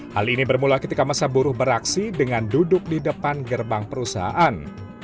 hal ini bermula ketika masa buruh beraksi dengan duduk di depan gerbang perusahaan